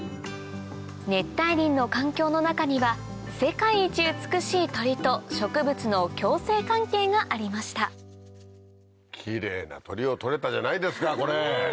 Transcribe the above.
熱帯林の環境の中には世界一美しい鳥と植物の共生関係がありましたキレイな鳥を撮れたじゃないですかこれ。